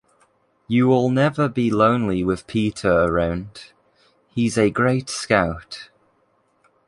You'll never be lonely with Peter around. He's a great scout.